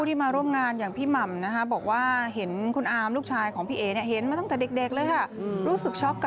สมองและก็สองมือของเขาเองด้วยค่ะ